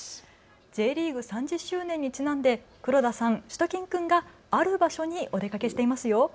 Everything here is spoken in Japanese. Ｊリーグ３０周年にちなんで黒田さん、しゅと犬くんがある場所にお出かけしていますよ。